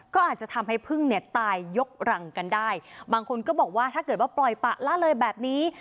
ก็อาจจะทำให้พึ่งเนี่ยตายยกรังกันได้บางคนก็บอกว่าถ้าเกิดว่าปล่อยปะละเลยแบบนี้